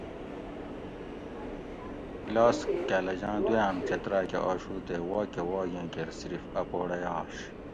موں کلاس کالجاں دویام چت راکہ آشو تے واکہ واگیں کیر صرف اۤ پوڑئ آش